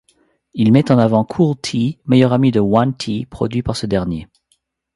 Il met en avant Cool-T, meilleur ami de One-T, produit par ce dernier.